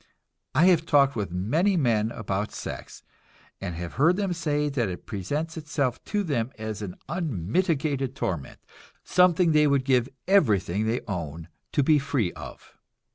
I have talked with many men about sex and heard them say that it presents itself to them as an unmitigated torment, something they would give everything they own to be free of.